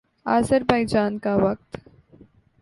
آذربائیجان کا وقت